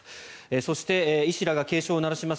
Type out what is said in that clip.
そして医師らが警鐘を鳴らします